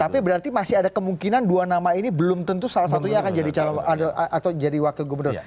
tapi berarti masih ada kemungkinan dua nama ini belum tentu salah satunya akan jadi calon atau jadi wakil gubernur